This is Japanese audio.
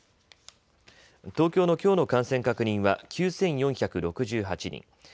東京のきょうの感染確認は９４６８人。